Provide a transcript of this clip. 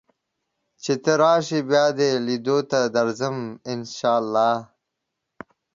چې ته راشې بیا دې لیدو ته درځم ان شاء الله